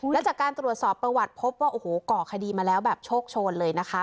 และจากการตรวจสอบประวัติพบว่าโอ้โหก่อคดีมาแล้วแบบโชคโชนเลยนะคะ